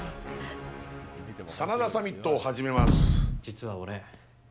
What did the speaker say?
真田サミットを始めます。